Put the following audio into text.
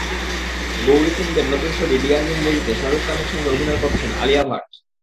গৌরী সিন্ডের নতুন ছবি ডিয়ার জিন্দেগি-তে শাহরুখ খানের সঙ্গে অভিনয় করছেন আলিয়া ভাট।